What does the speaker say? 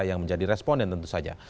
yang menjadi responden tentu saja